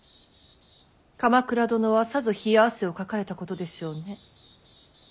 鎌倉殿はさぞ冷や汗をかかれたことでしょうね。